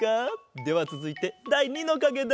ではつづいてだい２のかげだ！